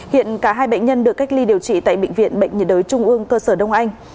hiện cả hai bệnh nhân được cách ly điều trị tại bệnh viện bệnh nhiệt đới trung ương cơ sở đông anh